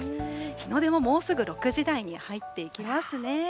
日の出ももうすぐ６時台に入っていきますね。